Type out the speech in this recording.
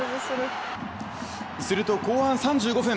すると後半３５分。